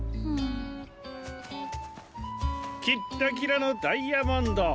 キッラキラのダイヤモンド！